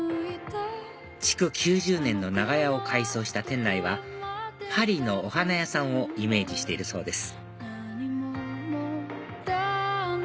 築９０年の長屋を改装した店内はパリのお花屋さんをイメージしているそうです